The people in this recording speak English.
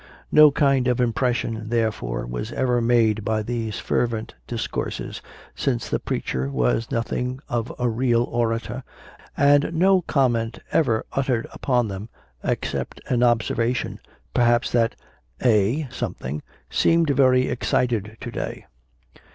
No kind of impression, therefore, was ever made by these fervent discourses since the preacher was nothing of a real orator and no comment ever uttered upon them except an ob servation, perhaps, that " A seemed very excited to day."